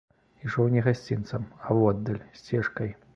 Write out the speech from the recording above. Ішоў не гасцінцам, а воддаль, сцежкай.